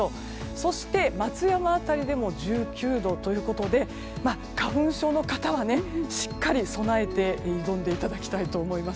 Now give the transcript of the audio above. そして松山辺りでも１９度ということで花粉症の方はしっかり備えて挑んでいただきたいと思います。